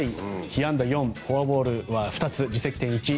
被安打４、フォアボールは２つ自責点１。